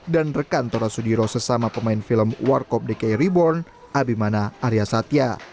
dan rekan tora sudiro sesama pemain film warcop decay reborn abimana arya satya